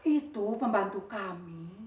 itu pembantu kami